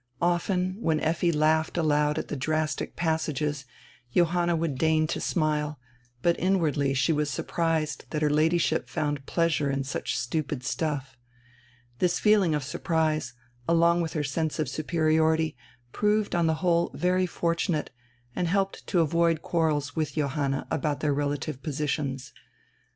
Often, when Effi laughed aloud at die drastic passages, Johanna would deign to smile, but inwardly she was sur prised that her Ladyship found pleasure in such stupid stuff. This feeling of surprise, along with her sense of superiority, proved on die whole very fortunate and helped to avoid quarrels with Johanna about their relative posi tions.